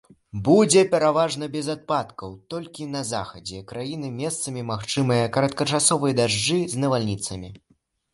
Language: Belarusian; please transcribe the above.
Будзе пераважна без ападкаў, толькі на захадзе краіны месцамі магчымыя кароткачасовыя дажджы з навальніцамі.